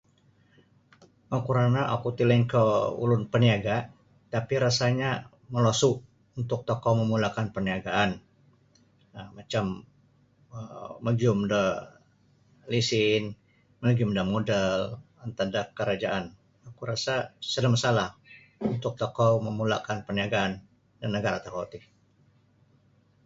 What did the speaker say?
Oh karana' oku ti lainkah ulun paniaga' tapi rasanya' molosu' untuk tokou mamula'kan parniagaan macam um magiyum da lesen magiyum da modal antad da karajaan oku rasa' sada' masalah untuk tokou mamula'kan da parniagaan da nagara' tokou ti